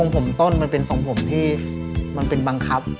ผมต้นมันเป็นทรงผมที่มันเป็นบังคับ